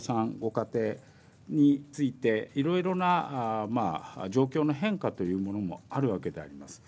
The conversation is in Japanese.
家庭についていろいろな状況の変化というものもあるわけであります。